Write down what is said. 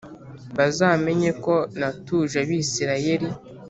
bazamenye ko natuje Abisirayeli